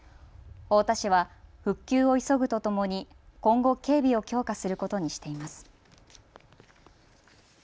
太田市は復旧を急ぐとともに今後、警備を強化することにしています。